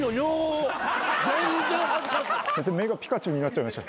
目がピカチュウになっちゃいました。